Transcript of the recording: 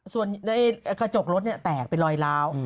ส่วนในกระจกรถแตกเป็นรอยล้าว